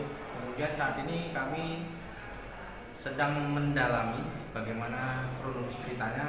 kemudian saat ini kami sedang mendalami bagaimana kronologis ceritanya